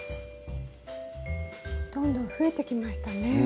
どんどん増えてきましたね。